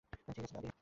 ঠিক আছে, দাদী।